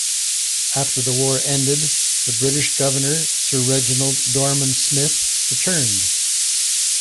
After the war ended, the British Governor, Sir Reginald Dorman-Smith returned.